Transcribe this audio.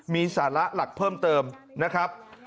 มีสาระหลักเพิ่มเติมนะครับ